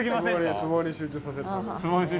相撲に集中させるため。